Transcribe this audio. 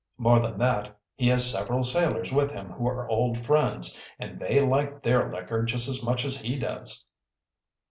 More than that, he has several sailors with him who are old friends, and they like their liquor just as much as he does."